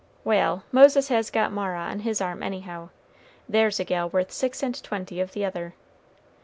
Wal', Moses has got Mara on his arm anyhow; there's a gal worth six and twenty of the other.